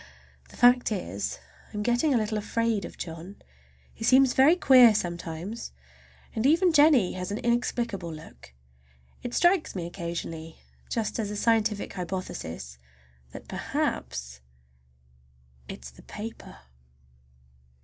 The fact is, I am getting a little afraid of John. He seems very queer sometimes, and even Jennie has an inexplicable look. It strikes me occasionally, just as a scientific hypothesis, that perhaps it is the paper!